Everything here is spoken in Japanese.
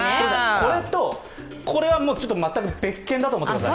これとこれは全く別件だと思ってください。